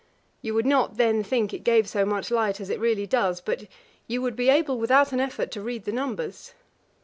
You would not then think it gave so much light as it really does, but you would be able without an effort to read the numbers.